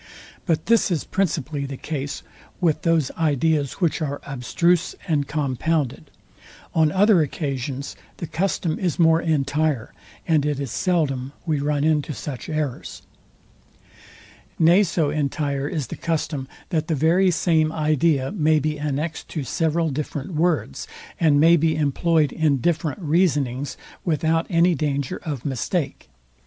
But this is principally the case with those ideas which are abstruse and compounded. On other occasions the custom is more entire, and it is seldom we run into such errors. Nay so entire is the custom, that the very same idea may be annext to several different words, and may be employed in different reasonings, without any danger of mistake.